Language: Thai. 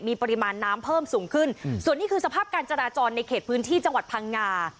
มีปริมาณน้ำเพิ่มสูงขึ้นส่วนนี้คือสภาพการจราจรในเขตพื้นที่จังหวัดพังงา